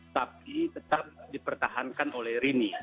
tapi tetap dipertahankan oleh rini